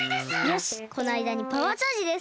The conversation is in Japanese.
よしこのあいだにパワーチャージです。